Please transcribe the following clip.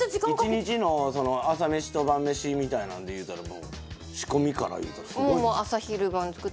一日の朝飯と晩飯みたいなんでいうたらもう仕込みからいうたらすごいでしょ。